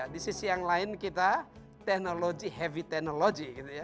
di sisi yang lain kita teknologi heavy technology